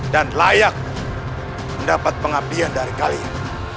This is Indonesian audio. dan layak mendapat pengabdian dari kalian